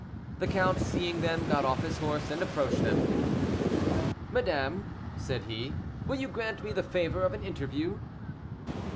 The count, seeing them, got off his horse, and approached them. "Madame," said he, "will you grant me the favor of an interview?"